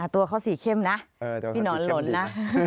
ตัวเขาสีเข้มนะพี่หนอนหล่นนะ